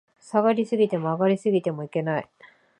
下がり過ぎても、上がり過ぎてもいけない